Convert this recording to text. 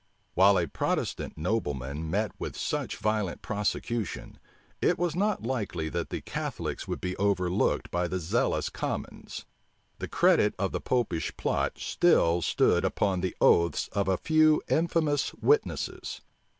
While a Protestant nobleman met with such violent prosecution, it was not likely that the Catholics would be overlooked by the zealous commons. The credit of the Popish plot still stood upon the oaths of a few infamous witnesses.